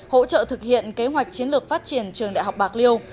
hỗ trợ thực hiện kế hoạch chiến lược phát triển trường đại học bạc liêu